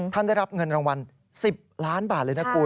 ท่านได้รับเงินรางวัล๑๐ล้านบาทเลยนะคุณ